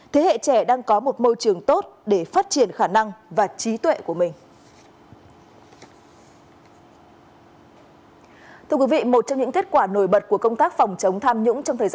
thế hệ trẻ đang có một môi trường tốt để phát triển khả năng và trí tuệ của mình